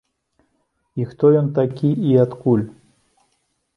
І хто ён такі і адкуль?